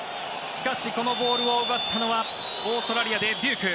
しかし、このボールを奪ったのはオーストラリアでデューク。